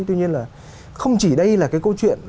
tuy nhiên là không chỉ đây là cái câu chuyện